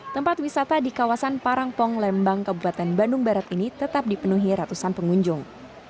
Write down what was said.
tempat wisata di kawasan parangpong lembang kabupaten bandung barat ini tetap dipenuhi ratusan pengunjung